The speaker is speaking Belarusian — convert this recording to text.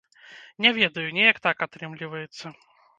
Не ведаю, неяк так атрымліваецца.